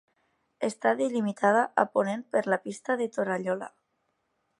Està delimitada a ponent per la Pista de Torallola.